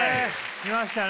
来ましたね。